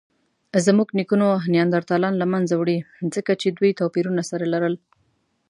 زموږ نیکونو نیاندرتالان له منځه وړي؛ ځکه چې دوی توپیرونه سره لرل.